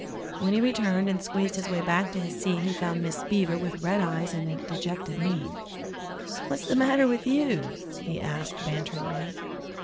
When he returned and squeezed his way back to his seat he found "Miss Beaver" with red eyes and a dejected mien. "What's the matter with you?" he asked banteringly.